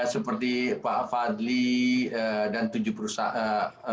seperti pak fadli dan tujuh perusahaan